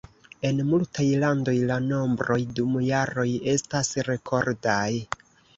En multaj landoj la nombroj dum jaroj estas rekordaj.